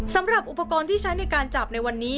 สำหรับอุปกรณ์ที่ใช้ในการจับในวันนี้